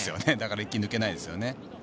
一気に抜けないですよね。